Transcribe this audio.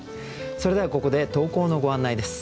それではここで投稿のご案内です。